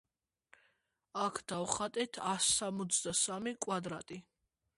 აქ დავხატეთ ას სამოცდასამი კვადრატი.